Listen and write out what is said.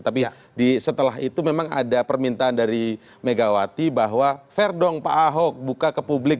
tapi setelah itu memang ada permintaan dari megawati bahwa fair dong pak ahok buka ke publik